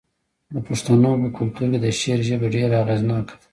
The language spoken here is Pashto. د پښتنو په کلتور کې د شعر ژبه ډیره اغیزناکه ده.